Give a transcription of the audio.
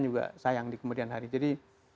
juga sayang di kemudian hari jadi